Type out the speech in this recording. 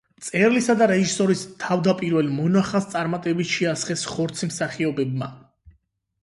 მწერლისა და რეჟისორის თავდაპირველ მონახაზს წარმატებით შეასხეს ხორცი მსახიობებმა.